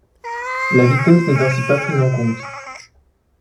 La vitesse n'est ainsi pas prise en compte.